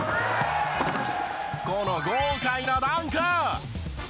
この豪快なダンク！